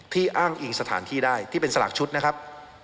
อ้างอิงสถานที่ได้ที่เป็นสลากชุดนะครับ